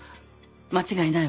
間違いないわ。